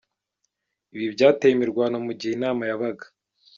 Ibi byateye imirwano mu gihe inama yabaga.